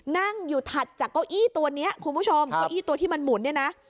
นั่งอยู่ถัดจากเก้าอี้ตัวนี้คุณผู้ชมเก้าอี้ตัวที่มันหมุนเนี่ยนะ